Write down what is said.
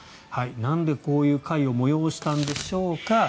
なんでこういう会を催したんでしょうか。